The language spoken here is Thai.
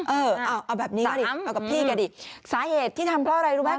เออเอาแบบนี้เอากับพี่แกดิสาเหตุที่ทำเพราะอะไรรู้ไหม